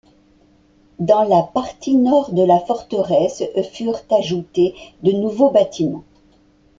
Dans la partie nord de la forteresse, furent ajoutés de nouveaux bâtiments.